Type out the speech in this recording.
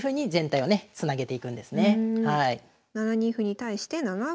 はい。